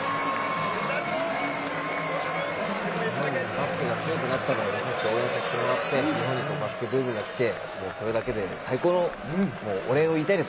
バスケが強くなったというのを見させてもらって、バスケブームが来て、それだけで最高のお礼を言いたいです。